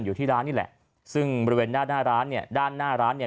อยู่ที่ร้านนี่แหละซึ่งบริเวณด้านหน้าร้านเนี่ย